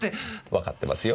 わかってますよ。